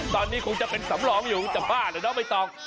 ตอนนี้คงจะเป็นสำหรองอยู่จะพลาดหรือไม่ต้อง